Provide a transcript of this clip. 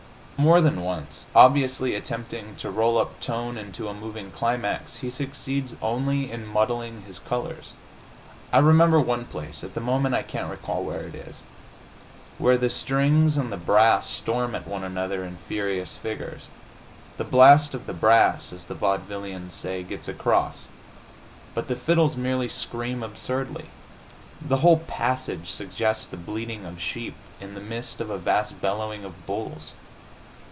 More than once, obviously attempting to roll up tone into a moving climax, he succeeds only in muddling his colors. I remember one place at the moment I can't recall where it is where the strings and the brass storm at one another in furious figures. The blast of the brass, as the vaudevillains say, gets across but the fiddles merely scream absurdly. The whole passage suggests the bleating of sheep in the midst of a vast bellowing of bulls.